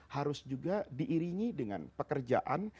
harus juga diiringi dengan pekerjaan